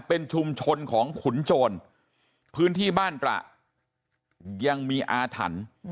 เป็นชุมชนของขุนโจรพื้นที่บ้านตระยังมีอาถรรพ์